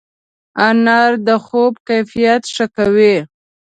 انار د خوب کیفیت ښه کوي.